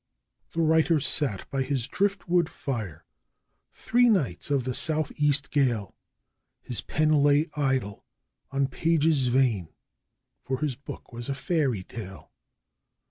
The writer sat by his drift wood fire three nights of the South east gale, His pen lay idle on pages vain, for his book was a fairy tale.